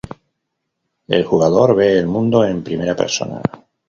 El jugador ve el mundo en primera persona.